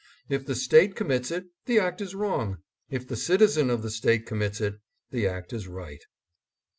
If the State commits it, the act is wrong; if the citizen of the State commits it, the act is right.